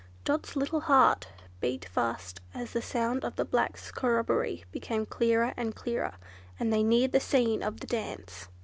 Dot's little heart beat fast as the sound of the blacks' corroboree became clearer and clearer, and they neared the scene of the dance.